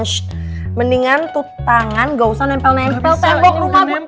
shhh mendingan tutangan gausah nempel nempel tembok rumah gue